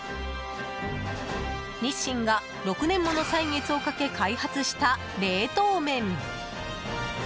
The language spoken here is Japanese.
日清が６年もの歳月をかけ開発した冷凍麺。